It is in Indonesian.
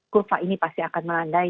kurva ini pasti akan melandai